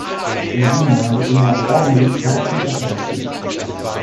Irina gibt immer ordentlich Salz und Pfeffer dazu.